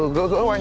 ừ giữ giữ anh